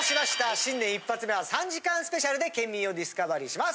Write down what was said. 新年一発目は３時間スペシャルで県民をディスカバリーします。